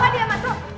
bawa dia masuk